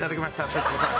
徹子さん